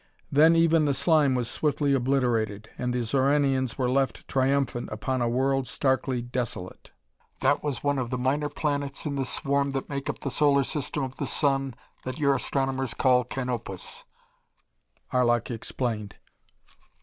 Then even the slime was swiftly obliterated, and the Xoranians were left triumphant upon a world starkly desolate. "That was one of the minor planets in the swarm that make up the solar system of the sun that your astronomers call Canopus," Arlok explained.